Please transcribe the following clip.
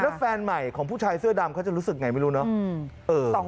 แล้วแฟนใหม่ของผู้ชายเสื้อดำเขาจะรู้สึกไงไม่รู้เนอะ